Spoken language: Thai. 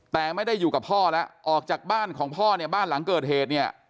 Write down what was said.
แต่ไม่ได้อยู่กับพ่อแล้วออกจากบ้านของพ่อเนี่ยบ้านหลังเกิดเหตุเนี่ย